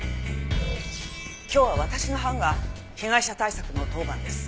今日は私の班が被害者対策の当番です。